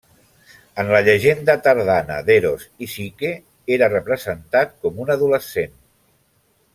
En la llegenda tardana d'Eros i Psique era representat com un adolescent.